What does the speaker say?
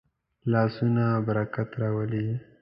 لاسونه برکت راولي